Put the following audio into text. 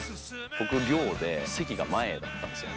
僕、寮で席が前だったんですよ。